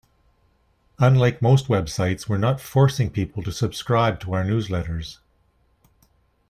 Unlike most websites, we're not forcing people to subscribe to our newsletters.